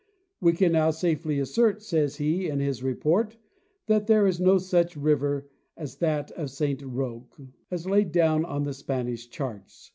'' We can now safely assert," said he in his report, "that there is no such river as that of Saint Roque, as laid down on the Spanish charts."